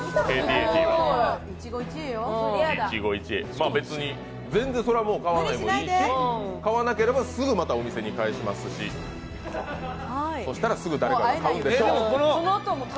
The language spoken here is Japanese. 一期一会、全然それは買わなくてもいいし買わなければ、すぐまたお店に返しますし、そしたらすぐ誰かが買うでしょう。